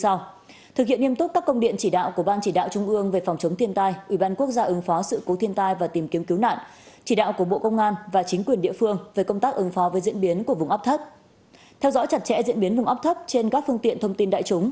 để chủ động ưng phó về diễn biến của ấp thấp văn phòng bộ công an đề nghị ban chỉ huy ưng phó về biến đổi khí hậu phòng chống thiên tai và ủy ban quốc gia ưng phó sự cố thiên tai và tìm kiếm cứu nạn công an các đơn vị địa phương chỉ đạo triển khai thực hiện một số nội dung như sau